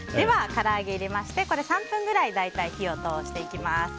から揚げを入れまして３分ぐらい火を通していきます。